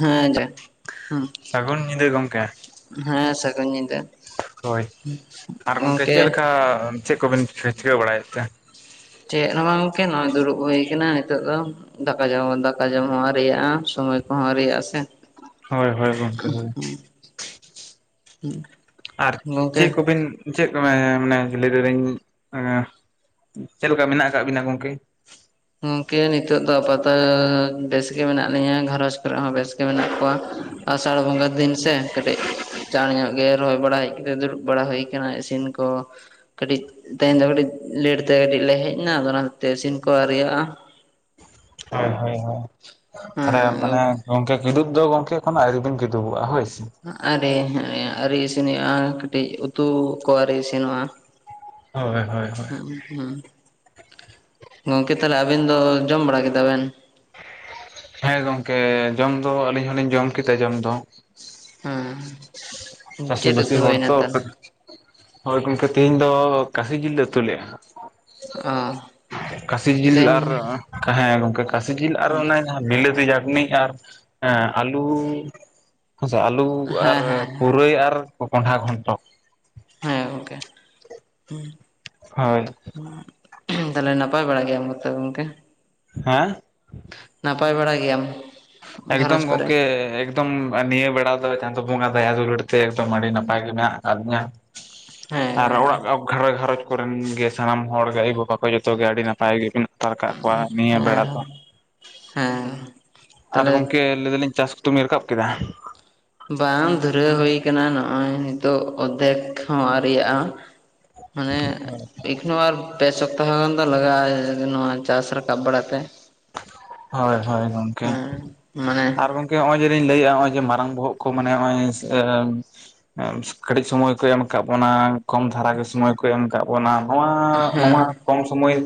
ᱦᱮᱸ ᱡᱚᱭ ᱦᱩᱸ, ᱥᱟᱹᱜᱩᱱ ᱧᱤᱫᱟᱹ ᱜᱚᱢᱠᱮ ᱦᱮᱸ ᱥᱟᱹᱜᱩᱱ ᱧᱤᱫᱟᱹ᱾ ᱦᱳᱭ, ᱟᱨ ᱜᱚᱝᱠᱮ ᱪᱮᱜᱞᱮᱠᱟ ᱪᱮᱜ ᱠᱚᱵᱤᱱ ᱪᱤᱠᱟᱹ ᱵᱟᱲᱟᱭᱮᱫ ᱛᱮ? ᱪᱮᱜ ᱦᱚᱸ ᱵᱟᱝ ᱜᱚᱝᱠᱮ ᱱᱚᱜ-ᱚᱭ ᱫᱩᱲᱩᱵ ᱦᱩᱭ ᱠᱟᱱᱟ ᱱᱤᱛᱚᱜ ᱫᱚ᱾ ᱫᱟᱠᱟ ᱡᱚᱢ ᱫᱟᱠᱟ ᱡᱚᱢ ᱦᱚᱸ ᱟᱨᱤᱭᱟᱜ-ᱟ ᱥᱚᱢᱚᱭ ᱠᱚᱦᱚᱸ ᱟᱨᱤᱭᱟᱜ-ᱟ ᱥᱮ᱾ ᱦᱳᱭ ᱦᱳᱭ ᱜᱚᱢᱠᱮ ᱦᱳᱭ ᱦᱮᱸ ᱦᱩᱸ ᱟᱨ ᱪᱮᱜ ᱠᱚᱵᱤᱱ ᱪᱮᱫ ᱠᱚ ᱢᱮ ᱢᱟᱱᱮ ᱞᱟᱹᱭ ᱫᱟᱲᱮᱜ ᱤᱧ ᱪᱮᱞᱮᱠᱟ ᱢᱮᱱᱟᱜ ᱠᱟᱜ ᱵᱤᱱᱟ ᱜᱚᱝᱠᱮ? ᱜᱚᱝᱠᱮ ᱱᱤᱛᱚᱜ ᱫᱚ ᱟᱯᱟᱛ ᱵᱮᱥ ᱜᱮ ᱢᱮᱱᱟᱜ ᱞᱤᱧᱟᱹ ᱜᱷᱟᱨᱚᱸᱡᱽ ᱠᱚᱨᱮᱜ ᱦᱚᱸ ᱵᱮᱥ ᱜᱮ ᱢᱮᱱᱟᱜ ᱠᱚᱣᱟ ᱟᱥᱟᱲ ᱵᱚᱸᱜᱟ ᱫᱤᱱ ᱥᱮ ᱠᱟᱹᱴᱤᱡ ᱪᱟᱬ ᱧᱚᱜ ᱜᱮ ᱨᱚᱦᱚᱭ ᱵᱟᱲᱟ ᱦᱮᱡ ᱠᱟᱛᱮᱜ ᱫᱩᱲᱩᱵ ᱵᱟᱲᱟ ᱦᱩᱭ ᱠᱟᱱᱟ ᱤᱥᱤᱱ ᱠᱚ ᱠᱟᱹᱴᱤᱡ ᱛᱮᱦᱮᱱ ᱫᱚ ᱠᱟᱹᱴᱤᱡ ᱞᱮᱴ ᱛᱮ ᱠᱟᱹᱴᱤᱡ ᱞᱮ ᱦᱮᱡ ᱮᱱᱟ ᱟᱫᱚ ᱚᱱᱟ ᱠᱷᱟᱛᱤᱨ ᱛᱮ ᱤᱥᱤᱱ ᱠᱚ ᱟᱨᱤᱭᱟᱜᱼᱟ ᱾ ᱦᱚᱭ ᱦᱚᱭ ᱦᱚᱭ, ᱛᱟᱦᱚᱞᱮ ᱢᱟᱱᱮ ᱜᱚᱝᱠᱮ ᱠᱤᱫᱩᱵ ᱫᱚ ᱜᱚᱝᱠᱮ ᱮᱠᱷᱚᱱᱚ ᱟᱣᱨᱤᱵᱤᱱ ᱠᱤᱫᱩᱵᱚᱜᱼᱟ ᱦᱚᱭ ᱥᱮ! ᱟᱨᱤ ᱦᱮᱸ ᱟᱨᱤ ᱤᱥᱤᱱ ᱦᱩᱭᱩᱜᱼᱟ ᱠᱟᱹᱴᱤᱡ ᱩᱛᱩ ᱠᱚ ᱟᱨᱤ ᱤᱥᱤᱱᱚᱜᱼᱟ᱾‌ ᱦᱳᱭ ᱦᱳᱭ ᱦᱳᱭ ᱦᱚᱸᱜᱼᱚ ᱦᱚᱸ ᱾ ᱜᱚᱝᱠᱮ ᱛᱟᱦᱚᱞᱮ ᱟᱵᱤᱱ ᱫᱚ ᱡᱚᱢ ᱵᱟᱲᱟ ᱠᱮᱫᱟ ᱵᱮᱱ? ᱦᱮᱸ ᱜᱚᱝᱠᱮ ᱡᱚᱢ ᱫᱚ ᱟᱹᱞᱤᱧ ᱦᱚᱞᱤᱧ ᱡᱚᱢ ᱠᱮᱫᱟ ᱡᱚᱢ ᱫᱚ ᱾ ᱦᱮᱸ ᱾ ᱪᱟᱥᱤ ᱵᱟᱥᱤ ᱦᱚᱲ ᱛᱚ ᱠᱟᱹ ᱦᱳᱭ ᱜᱚᱝᱠᱮ ᱛᱮᱦᱤᱧ ᱫᱚ ᱠᱟᱥᱤ ᱡᱤᱞ ᱞᱮ ᱩᱛᱩ ᱞᱮᱜᱼᱟ ᱚ ᱾ ᱠᱟᱥᱤ ᱡᱤᱞ ᱟᱨ ᱛᱮᱦᱮᱧ ᱦᱮᱸ ᱜᱚᱝᱠᱮ ᱠᱟᱥᱤ ᱡᱤᱞ ᱟᱨ ᱦᱮᱸ ᱚᱱᱮ ᱵᱤᱞᱟᱹᱛᱤ ᱪᱟᱴᱱᱤ ᱟᱨ ᱟᱞᱩ ᱠᱷᱚᱥᱟ ᱟᱞᱩ ᱦᱮᱸ ᱟᱨ ᱦᱮᱸ ᱯᱩᱨᱟᱹᱭ ᱟᱨ ᱠᱚ-ᱠᱚᱸᱰᱷᱟ ᱜᱷᱚᱱᱴᱚ ᱾ ᱦᱮᱸ ᱜᱚᱝᱠᱮ, ᱦᱩᱸ ᱾ ᱦᱳᱭ ᱾ ᱛᱟᱦᱞᱮ ᱱᱟᱯᱟᱭ ᱵᱟᱲᱟ ᱜᱮᱭᱟ ᱢᱚᱛᱚ ᱜᱚᱝᱠᱮ? ᱦᱮᱸ? ᱱᱟᱯᱟᱭ ᱵᱟᱲᱟ ᱜᱮᱭᱟᱢ? ᱮᱠᱫᱚᱢ ᱜᱷᱟᱨᱚᱸᱡᱽ ᱠᱚᱨᱮ ᱜᱚᱝᱠᱮ ᱮᱠ ᱫᱚᱢ ᱱᱤᱭᱟᱹ ᱵᱮᱲᱟ ᱫᱚ ᱪᱟᱸᱫᱚ ᱵᱚᱸᱜᱟ ᱫᱟᱭᱟ ᱫᱩᱞᱩᱲ ᱛᱮ ᱮᱠᱫᱚᱢ ᱟᱹᱰᱤ ᱱᱟᱯᱟᱭ ᱜᱮ ᱢᱮᱱᱟᱜ ᱟᱠᱟᱫ ᱞᱤᱧᱟᱹ ᱾ ᱦᱮᱸ ᱾ ᱟᱨ ᱚᱲᱟᱜ ᱜᱷᱟᱨᱚᱸ ᱜᱷᱟᱨᱚᱸᱡᱽ ᱠᱚᱨᱮᱱ ᱜᱮ ᱥᱟᱱᱟᱢ ᱦᱚᱲ ᱜᱮ ᱟᱭᱳᱼᱵᱟᱵᱟ ᱠᱚ ᱡᱚᱛᱚ ᱜᱮ ᱟᱹᱰᱤ ᱱᱟᱯᱟᱭ ᱜᱮ ᱢᱮᱱᱟᱜ ᱦᱟᱛᱟᱲ ᱠᱟᱜ ᱠᱚᱣᱟ ᱱᱤᱭᱟᱹ ᱦᱮᱸ ᱵᱮᱲᱟ ᱫᱚ ᱦᱮᱸ, ᱦᱮᱸ ᱾ ᱟᱨ ᱜᱚᱢᱠᱮ ᱞᱟᱹᱭ ᱫᱟᱞᱤᱧ ᱪᱟᱥ ᱠᱩᱛᱩᱵᱤᱱ ᱨᱟᱠᱟᱵ ᱠᱮᱫᱟ? ᱵᱟᱝ ᱫᱷᱩᱨᱟᱹᱣ ᱦᱩᱭ ᱠᱟᱱᱟ ᱱᱚᱜᱼᱚᱭ ᱱᱤᱛᱚᱜ ᱚᱫᱽᱫᱷᱮᱠ ᱦᱚᱸ ᱟᱹᱣᱨᱤᱜᱜᱟᱜᱼᱟ ᱾ ᱢᱟᱱᱮ ᱮᱠᱷᱱᱚ ᱟᱨ ᱯᱮ ᱥᱚᱯᱛᱟᱦᱚ ᱜᱟᱱ ᱫᱚ ᱞᱟᱜᱟᱜᱼᱟ ᱡᱮ ᱱᱚᱣᱟ ᱪᱟᱥ ᱨᱟᱠᱟᱵ ᱵᱟᱲᱟ ᱛᱮ ᱾ ᱦᱳᱭ ᱦᱳᱭ ᱜᱚᱝᱠᱮ ᱦᱮᱸ ᱢᱟᱱᱮ ᱟᱨ ᱜᱚᱝ ᱠᱮ ᱦᱚᱜᱼᱚᱭ ᱡᱮ ᱞᱤᱧ ᱞᱟᱹᱮᱜᱼᱟ ᱦᱚᱜᱼᱚᱭ ᱡᱮ ᱢᱟᱨᱟᱝ ᱵᱚᱦᱚᱜ ᱠᱚ ᱢᱟᱱᱮ ᱦᱚᱜᱼᱚᱭ [inaudible] ᱠᱟᱹᱴᱤᱡ ᱥᱚᱢᱚᱭ ᱠᱚ ᱮᱢ ᱟᱠᱟᱜ ᱵᱚᱱᱟ ᱠᱚᱢ ᱫᱷᱟᱨᱟ ᱜᱮ ᱥᱚᱢᱚᱭ ᱠᱚ ᱮᱢ ᱟᱠᱟᱫ ᱵᱚᱱᱟ ᱱᱚᱣᱟ ᱦᱮᱸ ᱱᱚᱣᱟ ᱠᱚᱢ ᱥᱚᱢᱚᱭ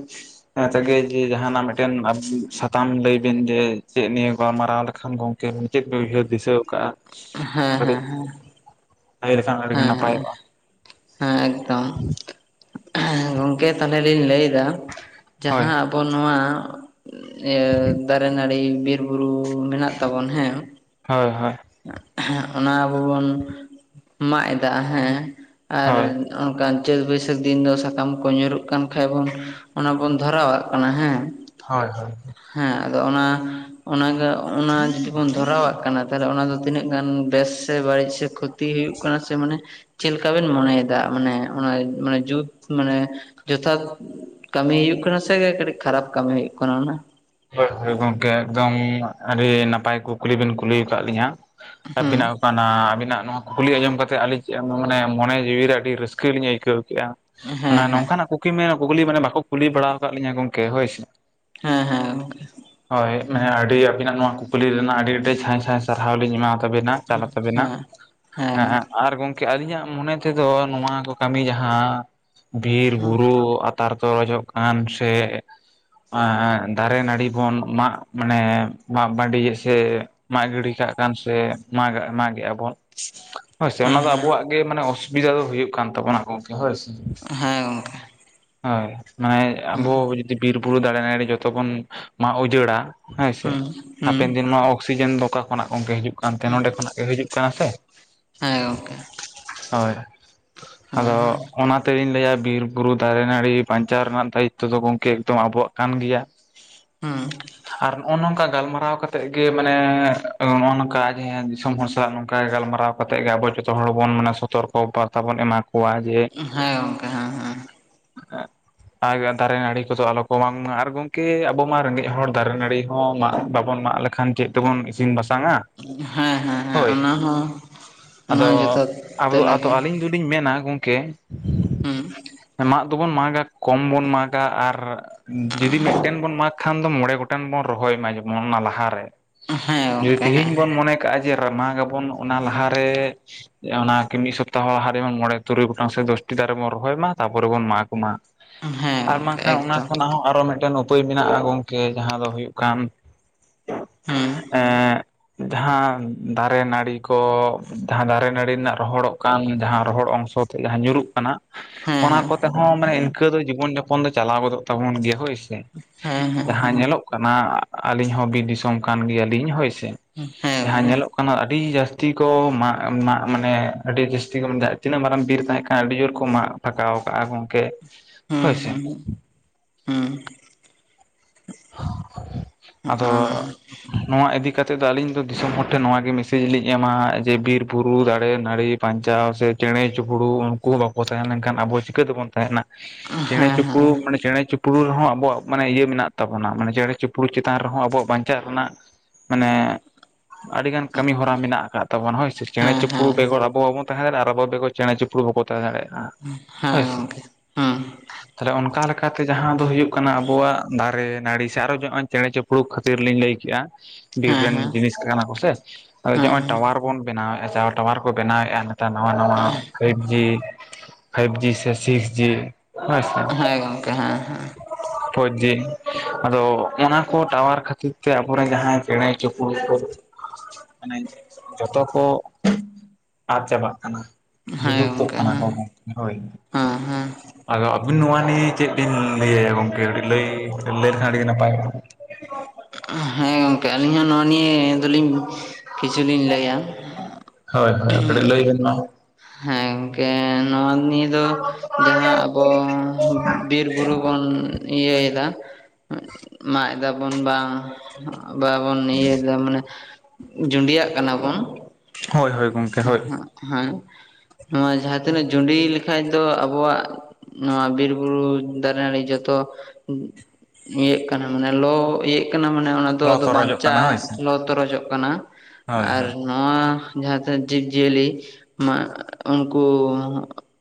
ᱛᱮᱜᱮ ᱡᱮ ᱡᱟᱦᱟᱱᱟᱜ ᱢᱤᱫᱴᱮᱱ [unintelligible] ᱛᱟᱢ ᱞᱟᱹᱭ ᱵᱤᱱ ᱡᱮ ᱪᱮᱫ ᱱᱤᱭᱟᱹ ᱜᱟᱞᱢᱟᱨᱟᱣ ᱞᱮᱠᱷᱟᱱ ᱜᱚᱝᱠᱮ ᱪᱮᱫ ᱵᱤᱱ ᱩᱭᱦᱟᱹᱨ ᱫᱤᱥᱟᱹ ᱟᱠᱟᱜᱼᱟ? ᱦᱮᱸ ᱦᱮᱸ ᱦᱮᱸ ᱾ ᱞᱟᱹᱭ ᱞᱮᱠᱷᱟᱱ ᱟᱹᱰᱤᱜᱮ ᱦᱮᱸ ᱦᱮᱸ ᱦᱮᱸ, ᱱᱟᱯᱟᱭᱚᱜᱼᱟ ᱦᱮᱸ ᱮᱠᱫᱚᱢ ᱾ ᱦᱮᱸ ᱜᱚᱝᱠᱮ ᱛᱟᱦᱚᱞᱮ ᱞᱤᱧ ᱞᱟᱹᱭᱫᱟ ᱦᱳᱭ ᱡᱟᱦᱟᱸ ᱟᱵᱚ ᱱᱚᱣᱟ ᱤᱭᱟᱹ ᱫᱟᱨᱮ ᱱᱟᱹᱲᱤ ᱵᱤᱨ ᱵᱩᱨᱩ ᱢᱮᱱᱟᱜ ᱛᱟᱵᱚᱱ ᱦᱮᱸ ᱾ ᱦᱳᱭ ᱦᱳᱭ ᱾ ᱚᱱᱟ ᱟᱵᱚ ᱵᱚᱱ ᱢᱟᱜ ᱮᱫᱟ ᱦᱮᱸ ᱟᱨ ᱦᱳᱭ ᱦᱳᱭ ᱚᱱᱠᱟᱱ ᱪᱟᱹᱛ ᱵᱟᱹᱭᱥᱟᱹᱠᱷ ᱫᱤᱱ ᱫᱚ ᱥᱟᱠᱟᱢ ᱠᱚ ᱧᱩᱨᱩᱜ ᱠᱟᱱ ᱠᱷᱟᱡ ᱵᱚᱱ ᱚᱱᱟ ᱵᱚᱱ ᱫᱷᱚᱨᱟᱣᱟᱜ ᱠᱟᱱᱟ, ᱦᱮᱸ ᱾ ᱦᱳᱭ ᱦᱳᱭ ᱾ ᱦᱮᱸ ᱟᱫᱚ ᱚᱱᱟ ᱚᱱᱟᱜᱮ ᱚᱱᱟ ᱡᱩᱫᱤ ᱵᱚᱱ ᱫᱷᱚᱨᱟᱣᱟᱜ ᱠᱟᱱᱟ᱾ ᱛᱟᱦᱞᱮ ᱚᱱᱟ ᱫᱚ ᱛᱤᱱᱟᱹᱜ ᱜᱟᱱ ᱵᱮᱥ ᱥᱮ ᱵᱟᱲᱤᱡ ᱥᱮ ᱠᱷᱚᱛᱤ ᱦᱩᱭᱩᱜ ᱠᱟᱱᱟ ᱥᱮ ᱢᱟᱱᱮ᱾ ᱪᱮᱫ ᱞᱮᱠᱟ ᱵᱮᱱ ᱢᱚᱱᱮᱭᱮᱫᱟ ᱢᱟᱱᱮ ᱚᱱᱟ ᱢᱟᱱᱮ ᱡᱩᱛ ᱢᱟᱱᱮ ᱡᱚᱛᱷᱟᱛ᱾ ᱠᱟᱢᱤ ᱦᱩᱭᱩᱜ ᱠᱟᱱᱟ ᱥᱮ ᱠᱟᱴᱤᱜ ᱠᱷᱟᱨᱟᱯ ᱠᱟᱢᱤ ᱦᱩᱭᱩᱜ ᱠᱟᱱᱟ ᱚᱱᱟ᱾ ᱦᱳᱭ ᱦᱳᱭ ᱜᱚᱢᱠᱮ ᱮᱠᱫᱚᱢ ᱟᱹᱰᱤ ᱱᱟᱯᱟᱭ ᱠᱩᱠᱞᱤ ᱵᱤᱱ ᱠᱩᱞᱤᱣ ᱠᱟᱜ ᱞᱤᱧᱟ ᱦᱮᱸ ᱟᱹᱵᱤᱱᱟᱜ᱾ ᱚᱱᱟ ᱟᱵᱤᱱᱟᱜ ᱱᱚᱣᱟ ᱠᱩᱠᱞᱤ ᱟᱸᱡᱚᱢ ᱠᱟᱛᱮᱜ ᱟᱞᱤᱧ ᱪᱮᱜ ᱢᱚᱱᱮ ᱢᱚᱱᱮ ᱡᱤᱣᱤᱨᱮ ᱟᱰᱤ ᱨᱟᱹᱥᱠᱟᱹᱞᱤᱧ ᱟᱹᱭᱠᱟᱹᱣ᱾ ᱠᱮᱜ-ᱟ ᱦᱮᱸ ᱢᱟᱱᱮ ᱦᱮᱸ ᱱᱚᱝᱠᱟᱱᱟᱜ ᱠᱩᱠᱞᱤᱢ ᱢᱮᱱᱟ ᱠᱩᱠᱞᱤ ᱢᱟᱱᱮ ᱵᱟᱠᱚ ᱠᱩᱞᱤ ᱵᱟᱲᱟᱣ ᱠᱟᱜ ᱞᱤᱧᱟ ᱜᱚᱢᱠᱮ ᱦᱳᱭ ᱥᱮ᱾ ᱦᱮᱸ ᱦᱮᱸ ᱜᱚᱝᱠᱮ᱾ ᱦᱳᱭ ᱢᱟᱱᱮ ᱟᱹᱰᱤ ᱟᱹᱵᱤᱱᱟᱜ ᱱᱚᱣᱟ ᱠᱩᱠᱞᱤ ᱨᱮᱱᱟᱜ ᱟᱰᱤ ᱟᱰᱤ ᱥᱟᱸᱭ ᱥᱟᱸᱭ ᱥᱟᱨᱦᱟᱣ ᱞᱤᱧ ᱮᱢᱟᱣ ᱛᱟᱵᱮᱱᱟ᱾ ᱪᱟᱞ ᱟᱛᱟᱵᱮᱱᱟ ᱦᱮᱸ ᱦᱮᱸ ᱟᱨ ᱜᱚᱝ ᱠᱮ ᱟᱞᱤᱧᱟᱜ ᱢᱚᱱᱮ ᱛᱮᱫᱚ ᱱᱚᱣᱟ ᱠᱚ ᱠᱟᱢᱤ ᱡᱟᱸᱦᱟ ᱵᱤᱨ ᱵᱩᱨᱩ᱾ ᱛᱟᱨ ᱠᱚ ᱦᱳᱭᱳᱜ ᱠᱟᱱ ᱥᱮ ᱟᱻ᱾ ᱫᱟᱨᱮ ᱱᱟᱲᱤ ᱵᱚᱱ ᱢᱟᱜ ᱢᱟᱱᱮ ᱢᱟᱜ ᱵᱟᱸᱰᱤᱭᱟ ᱥᱮ᱾ ᱢᱟᱜ ᱜᱤᱰᱤ ᱠᱟᱜ ᱠᱟᱱ ᱥᱮ ᱢᱟᱜᱟᱜ ᱢᱟᱜᱮᱜ ᱟ ᱵᱚᱱ᱾ ᱦᱳᱭ ᱥᱮ ᱦᱮᱸ ᱚᱱᱟ ᱫᱚ ᱦᱮᱸ ᱦᱮᱸ ᱜᱚᱝᱠᱮ ᱟᱵᱚᱣᱟᱜ ᱜᱮ ᱢᱟᱱᱮ ᱚᱥᱵᱤᱫᱟ ᱫᱚ ᱦᱳᱭᱳᱜ ᱠᱟᱱ ᱛᱟᱵᱚᱱᱟ ᱜᱚᱢᱠᱮ ᱦᱳᱭ ᱥᱮ᱾ ᱦᱮᱸ ᱜᱚᱝᱠᱮ᱾ ᱦᱳᱭ ᱢᱟᱱᱮ ᱟᱵᱚ ᱡᱩᱫᱤ ᱵᱤᱨ ᱵᱩᱨᱩ ᱫᱟᱨᱮ ᱱᱟᱹᱲᱤ ᱡᱚᱛᱚ ᱵᱚᱱ ᱢᱟᱜ ᱩᱡᱟᱹᱲᱟ᱾ ᱦᱮᱸ ᱥᱮ ᱦᱟᱯᱮᱱ ᱫᱤᱱ ᱢᱟ ᱚᱠᱥᱤᱡᱮᱱ ᱫᱚ ᱚᱠᱟ ᱠᱷᱚᱱᱟᱜ ᱜᱚᱝᱠᱮ ᱦᱤᱡᱩᱜ᱾ ᱠᱟᱱᱛᱮ ᱱᱚᱸᱰᱮ ᱠᱷᱚᱱᱟᱜ ᱜᱮ ᱦᱟᱹᱡᱩᱜ ᱠᱟᱱᱟ ᱥᱮ᱾ ᱦᱮᱸ ᱜᱚᱢᱠᱮ᱾ ᱦᱳᱭ ᱟᱫᱚ ᱚᱱᱟ᱾ ᱛᱟᱹᱣ ᱤᱧ ᱞᱟᱹᱭᱟ ᱵᱤᱨ ᱵᱩᱨᱩ ᱫᱟᱨᱮ ᱱᱟᱲᱤ ᱵᱟᱧᱪᱟᱣ ᱨᱮᱱᱟᱜ ᱫᱟᱹᱭᱤᱛᱚ ᱫᱚ ᱜᱚᱢᱠᱮ ᱮᱠᱫᱚᱢ ᱟᱵᱚᱣᱟᱜ ᱠᱟᱱ ᱜᱮᱭᱟ᱾ ᱦᱩᱸ᱾ ᱟᱨ ᱱᱚᱜ-ᱚ ᱱᱚᱝᱠᱟ ᱜᱟᱞᱢᱟᱨᱟᱣ ᱠᱟᱛᱮᱜ ᱜᱮ ᱢᱟᱱᱮ ᱱᱚᱜ-ᱚ ᱱᱚᱝᱠᱟ ᱟᱜᱮ ᱫᱤᱥᱚᱢ ᱦᱚᱲ ᱥᱟᱞᱟᱜ ᱱᱚᱝᱠᱟ ᱜᱟᱞᱢᱟᱨᱟᱣ᱾ ᱠᱟᱛᱮᱜ ᱜᱮ ᱟᱵᱚ ᱡᱷᱚᱛᱚ ᱦᱚᱲ ᱵᱚᱱ ᱢᱟᱱᱮ ᱥᱚᱛᱚᱨᱠᱚ ᱵᱟᱨᱛᱟ ᱵᱚᱱ ᱮᱢᱟ ᱠᱚᱣᱟ᱾ ᱡᱮ ᱦᱮᱸ ᱜᱚᱝᱠᱮ ᱦᱮᱸ ᱦᱮᱸ᱾ [unintelligible] ᱫᱟᱨᱮ ᱱᱟᱹᱲᱤ ᱠᱚᱫᱚ ᱟᱞᱚ ᱠᱚ ᱢᱟᱜ ᱢᱟ ᱟᱨ ᱜᱚᱝ ᱠᱮ ᱟᱵᱚ ᱢᱟ ᱨᱮᱸᱜᱮᱡ ᱦᱚᱲ ᱫᱟᱨᱮ ᱱᱟᱹᱲᱤ ᱦᱚᱸ ᱢᱟᱜ ᱵᱟᱵᱚᱱ ᱢᱟᱜ ᱞᱮᱠᱷᱟᱱ ᱪᱮᱫ ᱛᱮᱵᱚᱱ ᱤᱥᱤᱱ ᱵᱟᱥᱟᱝ-ᱟ᱾ ᱦᱮᱸ ᱦᱮᱸ ᱦᱮᱸ ᱚᱱᱟ ᱦᱚᱸ ᱚᱱᱟ ᱟᱫᱚ ᱡᱚᱛᱷᱟᱛ ᱟᱫᱚ ᱟᱫᱚ ᱛᱮᱞᱟᱜᱮ᱾ ᱟᱹᱞᱤᱧ ᱫᱚᱞᱤᱧ ᱢᱮᱱᱟ ᱜᱚᱢᱠᱮ᱾ ᱢᱟᱜ ᱫᱚᱵᱚᱱ ᱢᱟᱜᱟ ᱠᱚᱢ ᱵᱚᱱ ᱢᱟᱜᱟ ᱟᱨ ᱡᱩᱫᱤ ᱢᱮ ᱠᱷᱟᱱ ᱫᱚ ᱢᱚᱬᱮ ᱜᱚᱴᱟᱝ ᱵᱚᱱ ᱨᱚᱦᱚᱭ ᱢᱟ ᱡᱮᱢᱚᱱ ᱚᱱᱟ ᱞᱟᱦᱟᱨᱮ ᱦᱮᱸ ᱡᱩᱫᱤ ᱜᱚᱝᱠᱮ ᱦᱮᱸ ᱛᱤᱦᱤᱧ ᱵᱚᱱ ᱢᱚᱱᱮ᱾ ᱠᱟᱜ-ᱟ ᱡᱮ ᱢᱟᱜ ᱟᱵᱚᱱ ᱚᱱᱟ ᱞᱟᱦᱟᱨᱮ᱾ ᱚᱱᱟ ᱠᱤᱱ ᱢᱤᱜ ᱥᱚᱯᱛᱟᱦᱚ ᱞᱟᱦᱟᱨᱮ ᱡᱮᱢᱚᱱ ᱢᱚᱬᱮ ᱛᱩᱨᱩᱭ ᱜᱚᱴᱟᱝ ᱥᱮ ᱫᱚᱥᱴᱤ ᱫᱟᱨᱮ ᱵᱚᱱ ᱨᱚᱦᱚᱭ ᱢᱟ ᱛᱟᱯᱚᱨᱮ ᱵᱚᱱ ᱢᱟᱜ ᱢᱟ᱾ ᱦᱮᱸ ᱟᱨ ᱵᱟᱝ ᱜᱚᱝᱠᱮ ᱠᱷᱟᱱ ᱚᱱᱟ ᱮᱠᱫᱚᱢ ᱠᱷᱚᱱᱟᱜ ᱦᱚᱸ ᱟᱨᱚ ᱢᱮᱜᱴᱮᱱ᱾ ᱩᱯᱟᱹᱭ ᱢᱮᱱᱟᱜ-ᱟ ᱜᱚᱝᱠᱮ ᱡᱟᱸᱦᱟ ᱫᱚ ᱦᱳᱭᱳᱜ ᱠᱟᱱ ᱦᱩᱸ ᱮᱸ᱾ ᱡᱟᱸᱦᱟ ᱫᱟᱨᱮ ᱱᱟᱲᱤ ᱠᱚ ᱡᱟᱸᱦᱟ ᱫᱟᱨᱮ ᱱᱟᱹᱲᱤ ᱨᱮᱱᱟᱜ ᱨᱚᱦᱚᱲᱚᱜ ᱠᱟᱱ ᱡᱟᱸᱦᱟ ᱨᱚᱦᱚᱲ ᱚᱝᱥᱚ᱾ [unintelligible] ᱡᱟᱸᱦᱟ ᱧᱩᱨᱩᱜ ᱠᱟᱱᱟ᱾ ᱦᱮᱸ ᱚᱱᱟ ᱦᱮᱸ ᱠᱚᱛᱮ ᱦᱚᱸ ᱢᱟᱱᱮ ᱤᱱᱠᱟᱹ ᱫᱚ ᱡᱤᱵᱚᱱ ᱡᱟᱯᱚᱱ ᱫᱚ ᱪᱟᱞᱟᱣ ᱜᱚᱫᱚᱜ ᱛᱟᱵᱚᱱ ᱜᱮᱭᱟ ᱦᱳᱭ ᱥᱮ᱾ ᱦᱮᱸ ᱡᱟᱸᱦᱟ ᱦᱮᱸ ᱧᱮᱞᱚᱜ ᱠᱟᱱᱟ ᱟᱞᱤᱧ ᱦᱚᱸ ᱵᱤᱨ ᱫᱤᱥᱚᱢ ᱠᱟᱱ ᱜᱮᱭᱟᱞᱤᱧ ᱦᱳᱭ ᱥᱮ᱾ ᱦᱮᱸ ᱡᱟᱸᱦᱟ ᱜᱚᱝᱠᱮ ᱧᱮᱞᱚᱜ᱾ ᱱᱟᱹᱜ ᱟᱹᱰᱤ ᱡᱟᱥᱛᱤ ᱠᱚ ᱢᱟᱜ ᱢᱟᱜ ᱢᱟᱱᱮ ᱟᱹᱰᱤ ᱡᱟᱹᱥᱛᱤ ᱠᱚ ᱛᱤᱱᱟᱹᱜ ᱢᱟᱨᱟᱝ ᱵᱤᱨ ᱛᱟᱸᱦᱮ ᱠᱟᱱᱟ ᱟᱹᱰᱤ ᱡᱳᱨ ᱠᱚ ᱢᱟᱜ᱾ ᱯᱷᱟᱸᱠᱟᱣ ᱠᱟᱜ-ᱟ ᱜᱚᱝᱠᱮ ᱦᱩᱸ ᱦᱳᱭ ᱥᱮ᱾ ᱦᱩᱸ ᱦᱩᱸ᱾ [inaudible] ᱦᱮᱸ ᱟᱫᱚ ᱱᱚᱣᱟ ᱤᱫᱤ ᱠᱟᱛᱮᱫ ᱫᱚ ᱟᱹᱞᱤᱧ ᱫᱚ ᱫᱤᱥᱚᱢ ᱦᱚᱲ ᱴᱷᱮᱱ ᱱᱚᱣᱟ ᱜᱮ ᱢᱮᱥᱮᱡᱽ ᱞᱤᱧ ᱮᱢᱟ ᱡᱮ ᱵᱤᱨ ᱵᱩᱨᱩ ᱫᱟᱨᱮ ᱱᱟᱹᱲᱤ ᱯᱟᱧᱪᱟᱣ ᱥᱮ ᱪᱮᱬᱮ ᱪᱤᱯᱲᱩ ᱩᱱᱠᱩ ᱦᱚᱸ ᱵᱟᱠᱚ ᱛᱟᱦᱮᱸ ᱞᱮᱱᱠᱷᱟᱱ ᱟᱵᱚ ᱪᱤᱠᱟᱹ ᱛᱮᱵᱚᱱ ᱛᱟᱦᱮᱸᱱᱟ? ᱪᱮᱬᱮ ᱦᱮᱸ ᱜᱚᱝᱠᱮ ᱦᱩᱸ ᱪᱤᱯᱲᱩ ᱢᱟᱱᱮ ᱪᱮᱬᱮ ᱪᱤᱯᱲᱩ ᱨᱮᱦᱚᱸ ᱟᱵᱚᱣᱟᱜ ᱢᱟᱱᱮ ᱤᱭᱟᱹ ᱢᱮᱱᱟᱜ ᱛᱟᱵᱚᱱᱟ ᱢᱟᱱᱮ ᱪᱮᱬᱮ ᱪᱤᱯᱲᱩᱫ ᱪᱮᱛᱟᱱ ᱨᱮᱦᱚᱸ ᱟᱵᱚᱣᱟᱜ ᱵᱟᱧᱪᱟᱜ ᱨᱮᱱᱟᱜ ᱢᱟᱱᱮ ᱟᱹᱰᱤᱜᱟᱱ ᱠᱟᱹᱢᱤ ᱦᱚᱨᱟ ᱢᱮᱱᱟᱜ ᱠᱟᱫ ᱛᱵᱚᱱᱟ ᱦᱳᱭ ᱥᱮ ᱪᱮᱬᱮ ᱦᱮᱸ ᱪᱤᱯᱲᱩᱫ ᱦᱮᱸ ᱵᱮᱜᱚᱨ ᱟᱵᱚ ᱵᱟᱵᱚᱱ ᱛᱟᱦᱮᱸ ᱫᱟᱲᱮᱭᱟᱜᱼᱟ ᱟᱨ ᱟᱵᱚ ᱵᱮᱜᱚᱨ ᱪᱮᱬᱮ ᱪᱤᱯᱲᱩ ᱵᱟᱠᱚ ᱛᱟᱦᱮᱸ ᱫᱟᱲᱮᱭᱟᱜᱼᱟ᱾ ᱦᱮᱸ ᱜᱚᱝᱢᱮ ᱦᱩᱸ᱾ ᱛᱟᱦᱞᱮ ᱚᱱᱠᱟ ᱞᱮᱠᱟᱛᱮ ᱡᱟᱦᱟᱸ ᱫᱚ ᱦᱩᱭᱩᱜ ᱠᱟᱱᱟ ᱟᱵᱚᱣᱟᱜ ᱫᱟ ᱨᱮ ᱱᱟᱹᱲᱤ ᱥᱮ ᱟᱨᱚ ᱱᱚᱜᱼᱚᱭ ᱪᱮᱬᱮ ᱪᱤᱯᱲᱩᱫ ᱠᱷᱟᱹᱛᱤᱨ ᱞᱤᱧ ᱞᱟᱹᱭ ᱠᱮᱫᱼᱟ ᱵᱤᱨ ᱨᱮᱱ ᱦᱮᱸ ᱜᱚᱝᱠᱮ ᱦᱮᱸ ᱡᱤᱱᱤᱥ ᱠᱟᱱᱟ ᱠᱚᱥᱮ, ᱦᱳᱭ ᱡᱮ ᱱᱚᱜᱼᱚᱭ ᱴᱟᱣᱟᱨ ᱵᱚᱱ ᱵᱮᱱᱟᱣᱮᱫᱼᱟ ᱴᱟᱣᱟᱨ ᱠᱚ ᱵᱮᱱᱟᱣᱮᱫᱼᱟ ᱱᱮᱛᱟᱨ ᱱᱟᱣᱟ ᱱᱟᱣᱟ ᱯᱷᱟᱭᱤᱵ ᱡᱤ ᱯᱷᱟᱭᱤᱵᱷ ᱡᱤ ᱥᱮ ᱥᱤᱠᱥ ᱡᱤ ᱦᱮᱸᱥᱮ ᱯᱷᱳᱨ ᱡᱤ ᱟᱫᱚ ᱚᱱᱟ ᱠᱚ ᱴᱟᱣᱟᱨ ᱠᱷᱟᱹᱛᱤᱨ ᱛᱮ ᱟᱵᱚᱨᱮᱱ ᱡᱟᱦᱟᱸᱭ ᱪᱮᱬᱮ ᱪᱤᱯᱲᱩᱫ ᱠᱚ ᱟᱱᱮᱡ ᱡᱷᱚᱛᱚ ᱠᱚ ᱟᱫ ᱪᱟᱵᱟᱜ ᱠᱟᱱᱟ ᱵᱤᱞᱩᱯᱛᱚᱜ ᱠᱟᱱᱟ ᱠᱚ ᱜᱚᱢᱠᱮ ᱦᱳᱭ᱾ ᱦᱮᱸ ᱦᱮᱸ ᱟᱫᱚ ᱟᱹᱵᱤᱱ ᱱᱚᱣᱟ ᱱᱤᱭᱮ ᱪᱮᱫ ᱵᱤᱱ ᱞᱟᱹᱭᱭᱟ ᱜᱚᱝᱠᱮ ᱠᱟᱹᱴᱤᱡ ᱞᱟᱹᱭ ᱞᱟᱹᱭ ᱞᱮᱠᱷᱟᱱ ᱟᱹᱰᱤ ᱱᱟᱯᱟᱭ [unintelligible] ᱦᱮᱸ ᱜᱚᱝᱠᱮ ᱟᱹᱞᱤᱧ ᱦᱚᱸ ᱱᱚᱣᱟ ᱱᱤᱭᱟᱹ ᱫᱚᱞᱤᱧ ᱠᱤᱪᱷᱩᱞᱤᱧ ᱞᱟᱹᱭᱟ ᱦᱳᱭ ᱦᱳᱭ ᱠᱟᱹᱴᱤᱡ ᱞᱟᱹᱭ ᱵᱮᱱ ᱢᱟ᱾ ᱦᱮᱸ ᱜᱚᱝᱠᱮ ᱱᱚᱣᱟ ᱱᱤᱭᱮ ᱫᱚ ᱡᱟᱦᱟᱸ ᱟᱵᱚ ᱵᱤᱨ ᱵᱩᱨᱩ ᱵᱚᱱ ᱤᱭᱟᱹᱭ ᱫᱟ ᱢᱟᱜ ᱮᱫᱟ ᱵᱚᱱ ᱵᱟᱝ ᱵᱟᱵᱚᱱ ᱤᱭᱟᱹᱭ ᱫᱟ ᱢᱟᱱᱮ ᱡᱩᱸᱰᱤᱭᱟᱜ ᱠᱟᱱᱟ ᱵᱚᱱ, ᱦᱳᱭ ᱦᱳᱭ ᱜᱚᱢᱠᱮ ᱦᱳᱭ᱾ ᱦᱮᱸ ᱱᱚᱣᱟ ᱡᱟᱦᱟᱸ ᱛᱤᱱᱟᱹᱜ ᱡᱩᱸᱰᱤ ᱞᱮ ᱠᱷᱟᱡ ᱫᱚ ᱟᱵᱚᱣᱟᱜ ᱱᱚᱣᱟ ᱵᱤᱨ ᱵᱩᱨᱩ ᱫᱟᱨᱮ ᱱᱟᱹᱲᱤ ᱡᱚᱛᱚ ᱤᱭᱟᱹᱜ ᱠᱟᱱᱟ ᱢᱟᱱᱮ ᱞᱚ ᱤᱭᱟᱹᱜ ᱠᱟᱱᱟ ᱢᱟᱱᱮ ᱚᱱᱟ ᱫᱚ ᱞᱚ ᱟᱫᱚ ᱛᱚᱨᱚᱡᱚᱜ ᱠᱟᱱᱟ ᱦᱳᱭ ᱵᱟᱧᱪᱟᱜᱼᱟ ᱥᱮ ᱞᱚ ᱛᱚᱨᱚᱡᱚᱜ ᱠᱟᱱᱟ, ᱦᱳᱭ ᱟᱨ ᱦᱳᱭ ᱱᱚᱣᱟ ᱡᱟᱦᱟᱸ ᱛᱤᱱᱟᱹᱜ ᱡᱤᱵᱽ ᱡᱤᱭᱟᱹᱞᱤ ᱢᱟ ᱩᱱᱠᱩ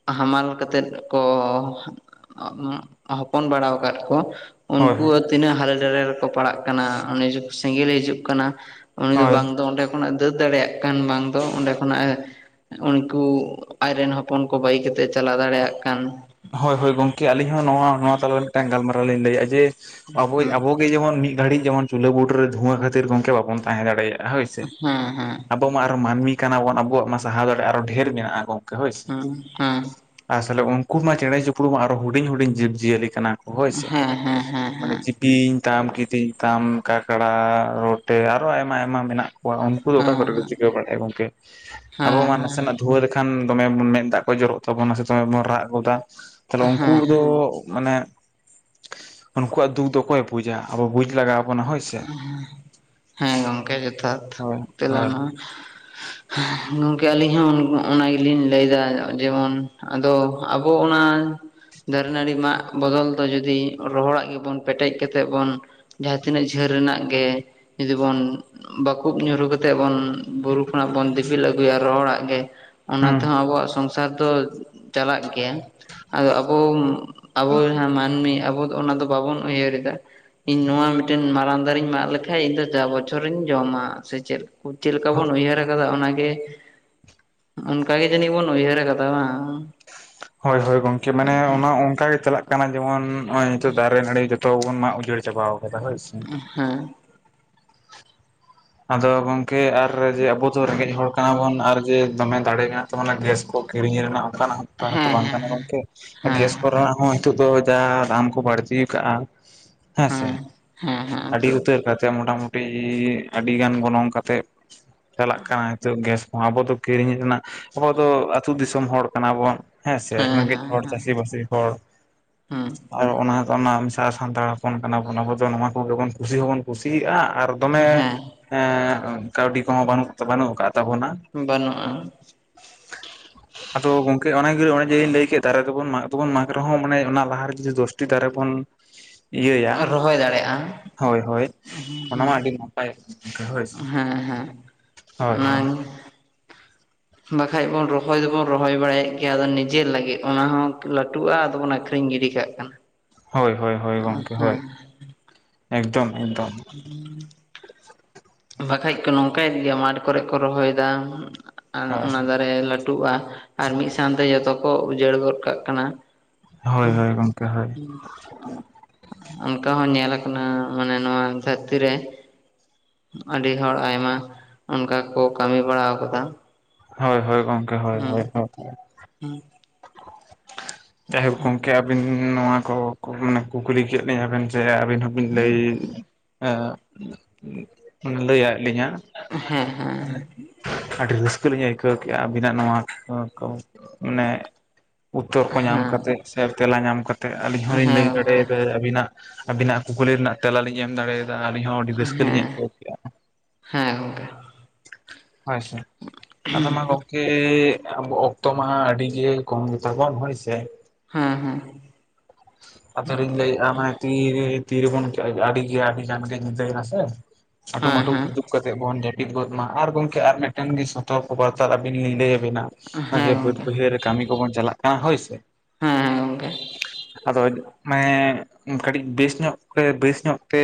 ᱦᱟᱢᱟᱞ ᱠᱟᱛᱮᱫ ᱠᱚ ᱦᱚᱯᱚᱱ ᱵᱟᱲᱟᱣ ᱠᱟᱫ ᱠᱚ, ᱦᱳᱭ ᱩᱱᱠᱩ ᱛᱤᱱᱟᱹᱜ ᱦᱟᱞᱮ ᱰᱟᱨᱮ ᱨᱮᱠᱚ ᱯᱟᱲᱟᱜ ᱠᱟᱱᱟ ᱩᱱᱤ ᱡᱚ ᱥᱮᱸᱜᱮᱞᱮ ᱦᱤᱡᱩᱜ ᱠᱟᱱᱟ ᱩᱱᱤ ᱫᱚ ᱦᱳᱭ ᱵᱟᱝ ᱫᱚ ᱚᱸᱰᱮ ᱠᱷᱚᱱᱟᱜ ᱮ ᱫᱟᱹᱲ ᱫᱟᱲᱮᱭᱟᱜ ᱠᱟᱱ ᱵᱟᱝ ᱫᱚ ᱚᱸᱰᱮ ᱠᱷᱚᱱᱟᱜ ᱮ ᱩᱱᱠᱩ ᱟᱡ ᱨᱮᱱ ᱦᱚᱯᱚᱱ ᱠᱚ ᱵᱟᱹᱜᱤ ᱠᱟᱛᱮᱜ ᱮ ᱪᱟᱞᱟᱣ ᱫᱟᱲᱮᱭᱟᱜ ᱠᱟᱱ ᱦᱳᱭ ᱦᱳᱭ ᱜᱚᱝᱠᱮ ᱟᱹᱞᱤᱧ ᱦᱚᱸ ᱱᱚᱣᱟ ᱱᱚᱣᱟ ᱛᱟᱞᱟᱨᱮ ᱢᱤᱫᱴᱟᱝ ᱜᱟᱞᱢᱟᱨᱟᱣ ᱞᱤᱧ ᱞᱟᱹᱭᱮᱫᱼᱟ ᱡᱮ ᱟᱵᱚᱭ ᱦᱮᱸ ᱟᱵᱚ ᱡᱮᱢᱚᱱ ᱢᱤᱫ ᱜᱷᱟᱹᱲᱤᱡ ᱡᱮᱢᱚᱱ ᱪᱩᱞᱟᱹ ᱵᱩᱴᱟ. ᱨᱮ ᱫᱷᱩᱣᱟᱹ ᱠᱷᱟᱹᱛᱤᱨ ᱜᱚᱝᱠᱮ ᱵᱟᱵᱚᱱ ᱛᱟᱦᱮᱸ ᱫᱟᱲᱮᱭᱟᱜᱼᱟ ᱦᱳᱭ ᱥᱮ ᱦᱮᱸ ᱦᱮᱸ ᱟᱵᱚ ᱢᱟ ᱟᱨᱚ ᱢᱟᱹᱱᱢᱤ ᱠᱟᱱᱟ ᱵᱚᱱ ᱟᱵᱚᱣᱟᱜ ᱢᱟ ᱥᱟᱦᱟᱣ ᱫᱟᱲᱮ ᱟᱨᱚ ᱰᱷᱮᱨ ᱢᱮᱱᱟᱜᱼᱟ ᱜᱚᱢᱠᱮ ᱦᱳᱭ ᱥᱮ, ᱦᱮᱸ ᱦᱮᱸ᱾ ᱟᱥᱚᱞᱮ ᱩᱱᱠᱩ ᱢᱟ ᱪᱮᱬᱮ ᱪᱤᱯᱲᱩ ᱢᱟ ᱟᱨᱚ ᱦᱩᱰᱤᱧ ᱦᱩᱰᱤᱧ ᱡᱤᱵᱽ ᱡᱤᱭᱟᱹᱞᱤ ᱠᱟᱱᱟ ᱦᱳᱭ ᱥᱮ ᱦᱮᱸ ᱦᱮᱸ ᱦᱮᱸ ᱦᱮᱸ ᱢᱟᱱᱮ ᱵᱤᱧ ᱛᱟᱢ ᱠᱤᱫᱤᱧ ᱛᱟᱢ ᱠᱟᱠᱲᱟ ᱨᱚᱴᱮ ᱟᱨᱚ ᱟᱭᱢᱟ ᱟᱭᱢᱟ ᱢᱮᱱᱟᱜ ᱠᱚᱣᱟ ᱩᱱᱠᱩ ᱫᱚ ᱚᱠᱟ ᱠᱚᱨᱮ ᱠᱚ ᱦᱮᱸ ᱪᱤᱠᱟᱹ ᱵᱟᱲᱟᱭᱟ ᱜᱚᱢᱠᱮ ᱦᱮᱸ ᱟᱵᱚ ᱢᱟ ᱱᱟᱥᱮᱱᱟᱜ ᱦᱮᱸ ᱫᱷᱩᱶᱟ ᱞᱮ ᱠᱷᱟᱱ ᱫᱚᱢᱮ ᱵᱚᱱ ᱢᱮᱫ ᱫᱟᱜ ᱠᱚ ᱡᱚᱨᱚᱜ ᱛᱟᱵᱚᱱᱟ ᱥᱮ ᱫᱚᱢᱮ ᱵᱚᱱ ᱨᱟᱜ ᱜᱚᱫᱟ᱾ ᱛᱟᱦᱞᱮ ᱦᱮᱸ ᱩᱱᱠᱩ ᱦᱮᱸ ᱫᱚ ᱢᱟᱱᱮ ᱩᱱᱠᱩᱣᱟᱜ ᱫᱩᱠ ᱫᱚ ᱚᱠᱚᱭ ᱵᱩᱡᱟ ᱟᱵᱚ ᱵᱩᱡ ᱞᱟᱜᱟᱣ ᱵᱚᱱᱟ ᱦᱳᱭ ᱥᱮ᱾ ᱦᱮᱸ ᱦᱮᱸ ᱜᱚᱝᱠᱮ ᱡᱚᱛᱷᱟᱛ ᱦᱳᱭ ᱛᱮᱞᱟ ᱦᱳᱭ ᱱᱚᱣᱟ᱾ ᱦᱳᱭ ᱦᱮᱸ ᱜᱚᱝᱠᱮ ᱟᱹᱞᱤᱧ ᱦᱚᱸ ᱚᱱᱟ ᱜᱮ ᱞᱤᱧ ᱞᱟᱹᱭᱫᱟ ᱡᱮᱢᱚᱱ ᱟᱫᱚ ᱟᱵᱚ ᱚᱱᱟ ᱫᱟᱨᱮ ᱱᱟᱹᱲᱤ ᱢᱟᱜ ᱵᱚᱫᱚᱞ ᱫᱚ ᱡᱩᱫᱤ ᱨᱚᱦᱚᱲᱟᱜ ᱜᱮᱼᱵᱚᱱ ᱯᱮᱴᱮᱡ ᱠᱟᱛᱮᱜ ᱵᱚᱱ ᱡᱟᱦᱟᱸ ᱛᱤᱱᱟᱹᱜ ᱡᱷᱟᱹᱞ ᱨᱮᱱᱟᱜ ᱜᱮ ᱡᱩᱫᱤ ᱵᱚᱱ ᱵᱟᱠᱩᱵ ᱧᱩᱨᱩ ᱠᱟᱛᱮᱜ ᱵᱚᱱ ᱵᱩᱨᱩ ᱠᱷᱚᱱᱟᱜ ᱵᱚᱱ ᱫᱤᱯᱤᱞ ᱟᱹᱜᱩᱭᱟ ᱨᱚᱦᱚᱲᱟᱜ ᱜᱮ ᱚᱱᱟ ᱦᱩᱸ ᱛᱮᱸᱦᱚ ᱟᱵᱚᱣᱟᱜ ᱥᱚᱝᱥᱟᱨ ᱫᱚ ᱪᱟᱞᱟᱜ ᱜᱮᱭᱟ ᱟᱫᱚ ᱟᱵᱚ ᱟᱵᱚ ᱡᱟᱸᱦᱟ ᱢᱟᱹᱱᱢᱤ ᱟᱵᱚ ᱚᱱᱟ ᱫᱚ ᱵᱟᱵᱚᱱ ᱩᱭᱦᱟᱹᱨ ᱮᱫᱟ ᱤᱧ ᱱᱚᱣᱟ ᱢᱤᱫᱴᱮᱱ ᱢᱟᱨᱟᱝ ᱫᱟᱨᱮᱧ ᱢᱟᱜ ᱞᱮᱠᱷᱟᱡ ᱤᱧ ᱫᱚ ᱡᱟ ᱵᱚᱪᱪᱷᱚᱨᱤᱧ ᱡᱚᱢᱟ ᱥᱮ ᱪᱮᱫ ᱪᱮᱞᱮᱠᱟ ᱵᱚᱱ ᱩᱭᱦᱟᱹᱨ ᱠᱟᱫᱟ ᱚᱱᱟ ᱜᱮ ᱚᱱᱠᱟ ᱜᱮ ᱡᱟᱹᱱᱤᱡ ᱵᱚᱱ ᱩᱭᱦᱟᱹᱨ ᱠᱟᱫᱟ ᱵᱟᱝ ᱦᱳᱭ ᱦᱳᱭ ᱜᱚᱝᱠᱮ ᱢᱟᱱᱮ ᱚᱱᱟ ᱚᱱᱠᱟ ᱜᱮ ᱪᱟᱞᱟᱜ ᱠᱟᱱᱟ ᱡᱮᱢᱚᱱ ᱱᱚᱜᱼᱚᱭ ᱱᱤᱛᱚᱜ ᱫᱟᱨᱮ ᱱᱟᱹᱲᱤ ᱛᱚ ᱵᱚᱱ ᱢᱟᱜ ᱩᱡᱟᱹᱲ ᱪᱟᱵᱟ ᱠᱟᱫᱟ ᱦᱳᱭ ᱥᱮ ᱦᱮᱸ ᱟᱫᱚ ᱜᱚᱝᱠᱮ ᱟᱨ ᱡᱮ ᱟᱵᱚ ᱫᱚ ᱨᱮᱸᱜᱮᱡ ᱦᱚᱲ ᱠᱟᱱᱟ ᱵᱚᱱ ᱟᱨ ᱡᱮ ᱫᱚᱢᱮ ᱫᱟᱲᱮ ᱢᱮᱱᱟᱜ ᱛᱟᱵᱚᱱᱟ ᱜᱮᱥ ᱠᱚ ᱠᱤᱨᱤᱧ ᱨᱮᱱᱟᱜ ᱚᱱᱠᱟᱱᱟᱜ [unintelligible] ᱦᱮᱸ ᱵᱟᱝ ᱠᱟᱱᱟ ᱜᱚᱢᱠᱮ ᱦᱮᱸ ᱜᱮᱥ ᱠᱚ ᱨᱮᱱᱟᱜ ᱦᱚᱸ ᱱᱤᱛᱚᱜ ᱫᱚ ᱡᱟ ᱫᱟᱢ ᱠᱚ ᱵᱟᱹᱲᱛᱤ ᱠᱟᱜᱼᱟ ᱦᱮᱸ ᱥᱮ ᱦᱮᱸ ᱦᱮᱸ ᱟᱹᱰᱤ ᱱᱤᱛᱚᱜ ᱩᱛᱟᱹᱨ ᱠᱟᱛᱮ ᱢᱚᱴᱟ-ᱢᱩᱴᱤ ᱟᱹᱰᱤ ᱜᱟᱱ ᱜᱚᱱᱚᱝ ᱠᱟᱛᱮᱫ ᱪᱟᱞᱟᱜ ᱠᱟᱱᱟ ᱱᱤᱛᱚᱜ ᱜᱮᱥ ᱦᱚᱸ ᱟᱵᱚ ᱫᱚ ᱠᱤᱨᱤᱧ ᱨᱮᱱᱟᱜ ᱟᱵᱚ ᱫᱚ ᱟᱹᱛᱩ ᱫᱤᱥᱚᱢ ᱦᱚᱲ ᱠᱟᱱᱟ ᱵᱚᱱ ᱦᱮᱸ ᱥᱮ ᱨᱮᱸᱜᱮᱡ ᱦᱮᱸ ᱦᱚᱲ ᱦᱮᱸ ᱪᱟᱹᱥᱤ ᱵᱟᱹᱥᱤ ᱦᱚᱲ ᱦᱮᱸ ᱟᱨ ᱚᱱᱟ ᱚᱱᱟ ᱥᱟᱱᱛᱟᱲ ᱦᱚᱯᱚᱱ ᱠᱟᱱᱟ ᱵᱚᱱ ᱟᱵᱚ ᱫᱚ ᱱᱚᱣᱟ ᱠᱚᱜᱮ ᱵᱚᱱ ᱠᱩᱥᱤ ᱦᱚᱸᱵᱚᱱ ᱠᱩᱥᱤᱭᱟᱜᱼᱟ ᱟᱨ ᱫᱚᱢᱮ ᱦᱮᱸ ᱮ ᱠᱟᱹᱣᱰᱤ ᱠᱚᱸᱦᱚ ᱵᱟᱱᱩᱜ ᱠᱟᱫ ᱛᱟᱵᱚᱱᱟ ᱵᱟᱹᱱᱩᱜᱼᱟ ᱟᱫᱚ ᱜᱚᱝᱠᱮ ᱚᱱᱟ ᱜᱮ ᱚᱱᱮ ᱡᱮᱞᱤᱧ ᱞᱟᱹᱭ ᱠᱮᱫᱼᱟ ᱫᱟᱨᱮ ᱫᱚᱵᱚᱱ ᱢᱟᱜᱽ ᱨᱮᱸᱦᱚ ᱢᱟᱱᱮ ᱚᱱᱟ ᱞᱟᱦᱟ ᱨᱮ ᱡᱚᱫᱤ ᱫᱚᱥᱴᱤ ᱫᱟᱨᱮ ᱵᱚᱱ ᱤᱭᱟᱹᱭᱟ ᱨᱚᱦᱚᱭ ᱫᱟᱲᱮᱭᱟᱜᱼᱟ ᱦᱳᱭ ᱦᱳᱭ ᱚᱱᱟ ᱢᱟ ᱟᱹᱰᱤ ᱱᱟᱯᱟᱭᱚᱜ ᱦᱳᱭ ᱦᱮᱸ ᱦᱮᱸ ᱦᱳᱭ [inaudible] ᱵᱟᱠᱷᱟᱡ ᱵᱚᱱ ᱨᱚᱦᱚᱭ ᱫᱚᱵᱚᱱ ᱨᱚᱦᱚᱭ ᱵᱟᱲᱟᱭᱮᱫ ᱜᱮᱭᱟ ᱟᱫᱚ ᱱᱤᱡᱮᱨ ᱞᱟᱹᱜᱤᱫ ᱚᱱᱟ ᱦᱚᱸ ᱞᱟᱹᱴᱩᱜᱼᱟ ᱟᱫᱚ ᱵᱚᱱ ᱟᱹᱠᱷᱨᱤ ᱨᱤᱧ ᱜᱤᱰᱤ ᱠᱟᱜ ᱠᱟᱱᱟ᱾ ᱦᱳᱭ ᱦᱳᱭ ᱦᱳᱭ ᱜᱚᱝᱠᱮ ᱦᱳᱭ ᱦᱮᱸ ᱮᱠᱫᱚᱢ ᱮᱠᱫᱚᱢ᱾ ᱵᱟᱠᱷᱟᱡ ᱠᱚ ᱱᱚᱝᱠᱟᱭᱮᱫ ᱜᱮᱭᱟ ᱢᱟᱴ ᱠᱚᱨᱮ ᱠᱚ ᱨᱚᱦᱚᱭ ᱮᱫᱟ᱾ ᱟᱨ ᱦᱳᱭ ᱚᱱᱟ ᱫᱟᱨᱮ ᱞᱟᱹᱴᱩᱜᱼᱟ ᱟᱨ ᱢᱤᱫ ᱥᱟᱝ ᱛᱮ ᱡᱚᱛᱚ ᱠᱚ ᱩᱡᱟᱹᱲ ᱜᱚᱫ ᱠᱟᱜ ᱠᱟᱱᱟ᱾ ᱦᱳᱭ ᱦᱳᱭ ᱜᱚᱝᱠᱮ ᱦᱳᱭ᱾ ᱚᱱᱠᱟ ᱦᱚᱸ ᱧᱮᱞ ᱠᱟᱱᱟ ᱢᱟᱱᱮ ᱱᱚᱣᱟ ᱫᱷᱟᱹᱨᱛᱤ ᱨᱮ᱾ ᱟᱹᱰᱤ ᱦᱚᱲ ᱟᱭᱢᱟ ᱚᱱᱠᱟ ᱠᱚ ᱠᱟᱹᱢᱤ ᱵᱟᱲᱟᱣ ᱟᱠᱟᱫᱼᱟ᱾ ᱦᱳᱭ ᱦᱳᱭ ᱜᱚᱝᱠᱮ ᱦᱳᱭ ᱦᱳᱭ᱾ ᱦᱩᱸ᱾ ᱪᱟᱦᱮᱵ ᱜᱚᱝᱠᱮ ᱟᱵᱮ ᱟᱹᱵᱤᱱ ᱱᱚᱣᱟ ᱠᱚᱸᱦᱚ ᱢᱟᱱᱮ ᱠᱩᱠᱞᱤ ᱠᱮᱫ ᱞᱤᱧᱟᱹᱵᱮᱱ ᱡᱮ ᱟᱹᱵᱤᱱ ᱦᱚᱸᱵᱤᱱ ᱞᱟᱹᱭ ᱟ ᱚᱱᱮ ᱞᱟ. ᱭ ᱟᱫ ᱞᱤᱧᱼᱟ ᱦᱮᱸ ᱦᱮᱸ᱾ ᱟᱹᱰᱤ ᱨᱟᱹᱥᱠᱟᱹ ᱞᱤᱧ ᱟᱹᱭᱠᱟᱹᱣ ᱠᱮᱫᱼᱟ ᱟᱹᱵᱤᱱᱟᱜ ᱱᱚᱣᱟ ᱠᱚ ᱠᱚ ᱢᱟᱱᱮ ᱩᱛᱛᱚᱨ ᱠᱚ ᱧᱟᱢ ᱦᱮᱸ ᱠᱟᱛᱮ ᱥᱮ ᱛᱮᱞᱟ ᱧᱟᱢ ᱠᱟᱛᱮᱫ ᱟᱹᱞᱤᱧ ᱦᱚᱞᱤᱧ ᱦᱮᱸ ᱞᱟᱹᱭ ᱜᱚᱝᱠᱮ ᱫᱟᱲᱮᱭᱟᱫᱟ ᱟᱹᱵᱤᱱᱟᱜ ᱟᱵᱤᱱᱟᱜ ᱠᱩᱠᱞᱤ ᱨᱮᱱᱟᱜ ᱛᱮᱞᱟᱞᱤᱧ ᱮᱢ ᱫᱟᱲᱮ ᱭᱟᱫᱟ᱾ ᱟᱹᱞᱤᱧ ᱦᱚᱸ ᱟᱹᱰᱤ ᱨᱟᱹᱥᱠᱟᱹ ᱞᱤᱧ ᱦᱮᱸ ᱟᱹᱭᱠᱟᱹᱣ ᱠᱮᱜᱼᱟ᱾ ᱦᱮᱸ ᱜᱚᱝᱠᱮ ᱦᱳᱭ ᱥᱮ ᱟᱫᱚ ᱢᱟ ᱜᱚᱝᱠᱮ ᱟᱵᱚ ᱚᱠᱛᱚ ᱢᱟ ᱟᱹᱰᱤ ᱜᱮ ᱠᱚᱢ ᱜᱮᱛᱟᱵᱚᱱ ᱦᱳᱭ ᱥᱮ᱾ ᱦᱮᱸ ᱦᱮᱸ ᱾ ᱟᱫᱚᱞᱤᱧ ᱞᱟᱹᱭᱮᱜᱼᱟ ᱢᱟᱱᱮ ᱛᱤᱻᱨᱮ ᱛᱤᱨᱮᱵᱚᱱ [unintelligible] ᱟᱹᱰᱤᱜᱮ ᱟᱹᱰᱤ ᱜᱟᱱ ᱜᱮ ᱧᱤᱫᱟᱹᱭᱮᱱᱟ ᱥᱮ ᱾ ᱦᱮᱸ ᱟᱹᱴᱩᱢᱟᱴᱩ ᱦᱮᱸ ᱠᱤᱫᱩᱵ ᱠᱟᱛᱮᱜ ᱵᱚᱱ ᱡᱟᱹᱯᱤᱫ ᱜᱚᱫ ᱢᱟ ᱟᱨ ᱜᱚᱝᱠᱮ ᱟᱨ ᱢᱤᱫᱴᱮᱱ ᱥᱚᱛᱚᱨᱠᱚ ᱵᱟᱨᱛᱟ ᱟᱵᱤᱱ ᱞᱤᱧ ᱞᱟᱹᱭ ᱵᱤᱱᱟ ᱦᱮᱸ ᱱᱚᱜᱼᱚᱭ ᱵᱟᱹᱫᱽ ᱜᱚᱝᱠᱮ ᱵᱟᱹᱭᱦᱟᱹᱨ ᱨᱮ ᱠᱟᱹᱢᱤ ᱠᱚᱵᱚᱱ ᱪᱟᱞᱟᱜ ᱠᱟᱱᱟ ᱦᱳᱭ ᱥᱮ ᱾ ᱦᱮᱸ ᱦᱮᱸ ᱜᱚᱝᱠᱮ ᱾ ᱟᱫᱚ [unintelligible] ᱢᱟᱱᱮ ᱠᱟᱹᱴᱤᱡ ᱵᱮᱥ ᱧᱚᱜ ᱛᱮ ᱵᱮᱥ ᱧᱚᱜ ᱛᱮ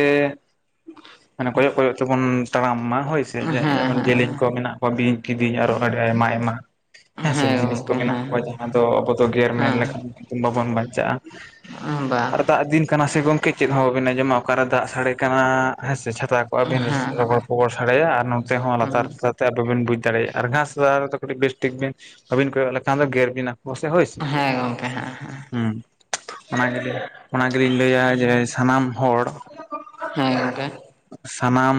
ᱢᱟᱱᱮ ᱠᱚᱭᱚᱜ ᱠᱚᱭᱚᱜ ᱛᱮᱵᱚᱱ ᱛᱟᱲᱟᱢ ᱢᱟ ᱦᱳᱭᱥᱮ ᱦᱮᱸ ᱡᱮ-ᱡᱮᱢᱚᱱ ᱡᱮᱞᱮᱧ ᱦᱮᱸ ᱠᱚ ᱢᱮᱱᱟᱜ ᱠᱚᱣᱟ ᱵᱤᱧ ᱠᱤᱫᱤᱧ ᱟᱨᱚ ᱟᱹᱰᱤ ᱟᱭᱢᱟ ᱟᱭᱢᱟ ᱾ ᱦᱮᱸ ᱥᱮ ᱡᱤᱱᱤᱥ ᱠᱚ ᱜᱚᱝᱠᱮ ᱢᱮᱱᱟᱜ ᱦᱮᱸ ᱠᱚᱭᱟ ᱡᱟᱦᱟᱸ ᱫᱚ ᱟᱵᱚ ᱫᱚ ᱜᱮᱨ ᱢᱮᱨ ᱞᱮᱠᱷᱟᱱ ᱦᱮᱸ ᱵᱟᱵᱚᱱ ᱵᱟᱧᱪᱟᱜᱼᱟ ᱾ ᱵᱟᱝ ᱟᱨ ᱫᱟᱜ ᱫᱤᱱ ᱠᱟᱱᱟ ᱥᱮ ᱜᱚᱝᱠᱮ ᱪᱮᱫ ᱦᱚᱸ ᱵᱟᱵᱮᱱ ᱟᱸᱡᱚᱢᱟ ᱚᱠᱟᱨᱮ ᱫᱟᱜ ᱥᱟᱲᱮ ᱠᱟᱱᱟᱻ ᱦᱮᱸᱥᱮ ᱪᱷᱟᱛᱟ ᱠᱚᱜᱼᱟ ᱵᱤᱱ ᱦᱮᱸ ᱞᱚᱦᱚᱫ ᱠᱚᱠᱚ ᱥᱟᱲᱮᱭᱟ ᱟᱨ ᱱᱚᱛᱮ ᱦᱚᱸ ᱞᱟᱛᱟᱨ ᱥᱟᱶᱛᱮ ᱵᱟᱵᱮᱱ ᱵᱩᱡ ᱫᱟᱲᱮᱭᱟᱜᱼᱟ ᱟᱨ ᱜᱷᱟᱥ ᱛᱟᱞᱟ ᱨᱮᱫᱚ ᱠᱟᱹᱴᱤᱡ ᱵᱮᱥᱴᱷᱤᱠ ᱵᱤᱱ ᱵᱟᱵᱤᱱ ᱠᱚᱭᱚᱜ ᱞᱮᱠᱷᱟᱱ ᱫᱚ ᱜᱮᱨ ᱵᱤᱱᱟ ᱠᱚ ᱥᱮ ᱦᱳᱭ ᱥᱮ ᱦᱮᱸ ᱜᱚᱝᱠᱮ ᱦᱮᱸ ᱦᱮᱸ ᱦᱩᱸ᱾ ᱚᱱᱟ ᱜᱮᱞᱤᱧ ᱚᱱᱟ ᱜᱮᱞᱤᱧ ᱞᱟᱹᱭᱟ ᱡᱮ ᱥᱟᱱᱟᱢ ᱦᱚᱲ ᱦᱮᱸ ᱜᱚᱝᱠᱮ ᱾ ᱥᱟᱱᱟᱢ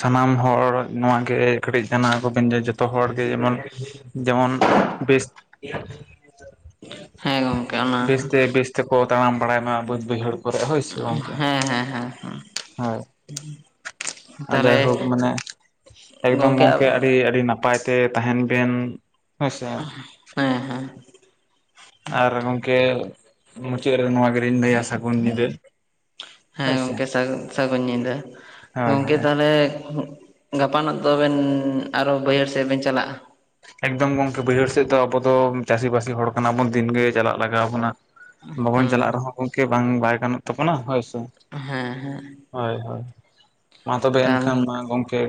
ᱥᱟᱱᱟᱢ ᱦᱚᱲ ᱱᱚᱣᱟᱜᱮ ᱠᱟᱹᱴᱤᱡ ᱡᱟᱱᱟᱣ ᱟᱠᱩᱵᱤᱱ ᱡᱮ ᱡᱚᱛᱚ ᱦᱚᱲᱜᱮ ᱡᱮᱢᱚᱱ ᱡᱮᱢᱚᱱ ᱵᱮᱥ ᱦᱮᱸ ᱜᱚᱝᱠᱮ ᱚᱱᱟ ᱾ ᱵᱮᱥᱛᱮ ᱵᱮᱥ ᱛᱮᱠᱚ ᱛᱟᱲᱟᱢ ᱵᱟᱲᱟᱭ ᱢᱟ ᱵᱟᱫᱽ ᱵᱟᱹᱭᱦᱟᱹᱲ ᱠᱚᱨᱮᱜ ᱦᱚᱸ ᱦᱳᱭ ᱥᱮ ᱜᱚᱝᱠᱮ, ᱦᱮᱸ ᱦᱮᱸ ᱦᱮᱸ ᱦᱳᱭ ᱾ ᱟᱨ ᱛᱟᱦᱚᱞᱮ ᱡᱟᱭᱦᱳᱠ ᱢᱟᱱᱮ ᱮᱠᱫᱚᱢ ᱜᱚᱝᱠᱮ ᱟᱹᱰᱤ ᱟᱹᱰᱤ ᱱᱟᱯᱟᱭ ᱛᱮ ᱛᱟᱦᱮᱱ ᱵᱮᱱ ᱦᱳᱭᱥᱮ ᱾ [inaudible] ᱦᱮᱸ ᱟᱨ ᱜᱚᱝᱠᱮ ᱢᱩᱪᱟᱹᱫ ᱨᱮ ᱱᱚᱣᱟ ᱜᱮᱞᱤᱧ ᱞᱟᱹᱭᱟ ᱥᱟᱹᱜᱩᱱ ᱧᱤᱫᱟᱹ᱾ ᱦᱮᱸ ᱦᱳᱭ ᱥᱮ ᱜᱚᱝᱠᱮ ᱥᱟᱜᱩ ᱥᱟᱹᱜᱩᱱ ᱧᱤᱫᱟᱹ, ᱦᱳᱭ ᱜᱚᱝᱠᱮ ᱦᱳᱭ ᱛᱟᱦᱚᱞᱮ ᱜᱟᱯᱟᱱᱚᱜ ᱫᱚᱵᱮᱱ ᱟᱨᱚ ᱵᱟᱹᱭᱦᱟᱹᱲ ᱥᱮᱫ ᱵᱮᱱ ᱪᱟᱞᱟᱜᱼᱟ? ᱮᱠᱫᱚᱢ ᱜᱚᱝᱠᱮ ᱵᱟᱹᱭᱦᱟᱹᱲ ᱥᱮᱫ ᱫᱚ ᱟᱵᱚ ᱫᱚ ᱪᱟᱹᱥᱤ ᱵᱟᱹᱥᱤ ᱦᱚᱲ ᱠᱟᱱᱟ ᱵᱚᱱ ᱫᱤᱱᱜᱮ ᱪᱟᱞᱟᱜ ᱞᱟᱜᱟᱣ ᱵᱚᱱᱟ᱾ ᱵᱟᱵᱚᱱ ᱦᱩᱸ ᱪᱟᱞᱟᱜ ᱨᱮᱦᱚᱸ ᱜᱚᱝᱠᱮ ᱵᱟᱝ ᱵᱟᱭ ᱜᱟᱱᱚᱜ ᱛᱟᱵᱚᱱᱟ ᱦᱳᱭᱥᱮ᱾ ᱦᱮᱸ ᱦᱮᱸ ᱦᱳᱭ, ᱦᱳᱭ, ᱢᱟ ᱛᱚᱵᱮ ᱛᱟᱦᱚᱞᱮ ᱮᱱᱠᱷᱟᱱ ᱢᱟ ᱜᱚᱝᱠᱮ